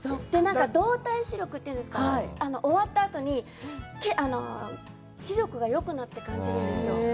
動体視力というんですか、終わったあとに視力がよくなったって感じるんですよ。